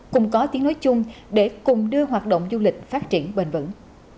cùng có tiếng nói chung để cùng đưa hoạt động du lịch phát triển bền vững